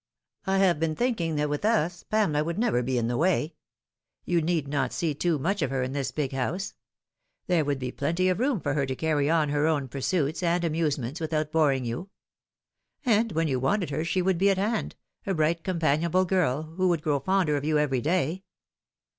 I have been thinking that with us Pamela would never be in the way. You need not see too much of her in this big house. There would be plenty of room for her to carry on her own pursuits and amusements without boring you ; and ^hen you wanted her she would be at hand, a bright companionable girl, who would grow fonder of you every day."